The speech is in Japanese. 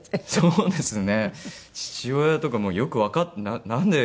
そうですね。